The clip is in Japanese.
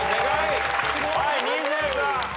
はい新妻さん。